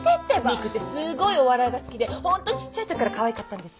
未来ってすごいお笑いが好きでほんとちっちゃい時からかわいかったんですよ。